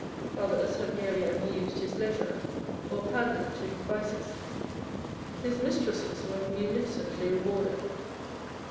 Others had merely amused his leisure or pandered to his vices. His mistresses were munificently rewarded.